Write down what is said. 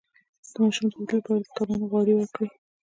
د ماشوم د ودې لپاره د کبانو غوړي ورکړئ